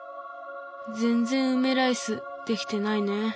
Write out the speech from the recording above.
ぜんぜん「うめラいス」できてないね。